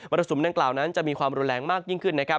มรสมตะวันนั้นจะมีความแรงมากยิ่งขึ้น